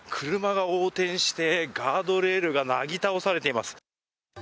車が横転して、ガードレールがなぎ倒されています。